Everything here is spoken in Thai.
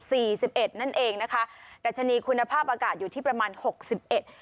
สิบเอ็ดนั่นเองนะคะดัชนีคุณภาพอากาศอยู่ที่ประมาณหกสิบเอ็ด